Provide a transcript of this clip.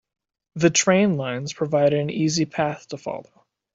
The train lines provided an easy path to follow.